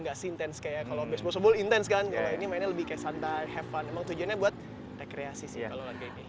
gak sih intense kayak kalau baseball softball intense kan kalau ini mainnya lebih santai have fun emang tujuannya buat rekreasi sih kalau lagu ini